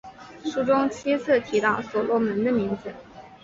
书中七次提到所罗门的名字。